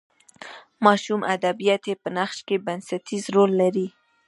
ماشوم ادبیات یې په نقش کې بنسټیز رول لري.